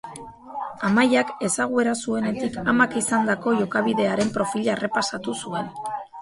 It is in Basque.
Amaiak ezaguera zuenetik amak izandako jokabidearen profila errepasatu zuen.